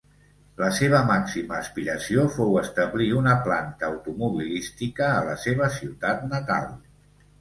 La seva màxima aspiració fou establir una planta automobilística a la seva ciutat natal.